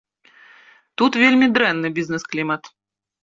Тут вельмі дрэнны бізнэс-клімат.